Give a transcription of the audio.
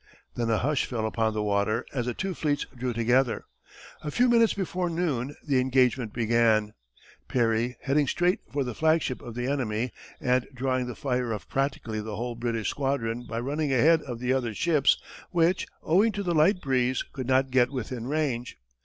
Then a hush fell upon the water as the two fleets drew together. A few minutes before noon the engagement began, Perry heading straight for the flagship of the enemy, and drawing the fire of practically the whole British squadron by running ahead of the other ships, which, owing to the light breeze, could not get within range.